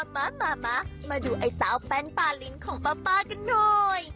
มามาดูไอ้สาวแปลนปาลินของป๊าปากันหน่อย